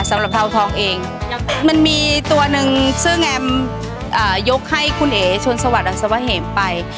สำหรับเทาทองเองมันมีตัวหนึ่งซึ่งแอมยกให้คุณเอ๋ชนสวัสดอัศวะเหมไป